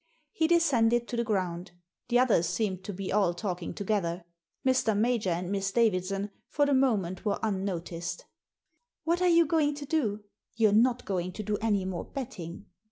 He descended to the ground; the others seemed to be all talking together. Mr. Major and Miss Davidson for the moment were unnoticed. "What are you going to do? You're not going to do any more betting?"